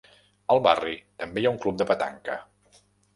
Al barri, també hi ha un club de petanca.